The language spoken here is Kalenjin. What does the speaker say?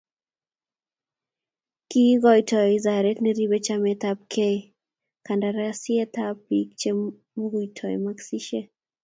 kiikoito wizaret ne ribei chametabgeikandarasitab biik che mukukoitoi maskisiek.